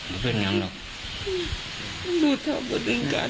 คือเวรื่องควัฒนาศาสนก